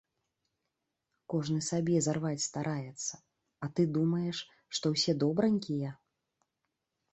Кожны сабе зарваць стараецца, а ты думаеш, што ўсе добранькія?